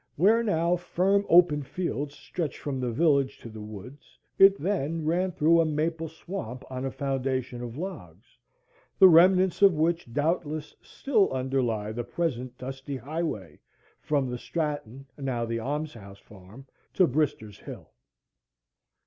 Where now firm open fields stretch from the village to the woods, it then ran through a maple swamp on a foundation of logs, the remnants of which, doubtless, still underlie the present dusty highway, from the Stratton, now the Alms House, Farm, to Brister's Hill.